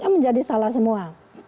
menjadi salah semua